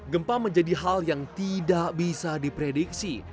gempa menjadi hal yang tidak bisa diprediksi